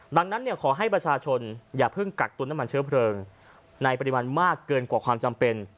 ดังนั้นขอให้ประชาชนอย่าเพิ่งกักตุนน้ำมันเชื้อเพลิงในปริมาณมากเกินกว่าความจำเป็น